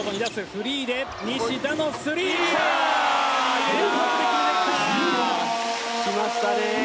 フリーで西田のスリー。来ましたね。